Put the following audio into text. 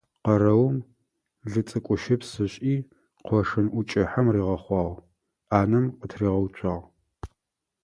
Къэрэум лыцӀыкӀущыпс ышӀи, къошын ӀукӀыхьэм ригъэхъуагъ, Ӏанэм къытригъэуцуагъ.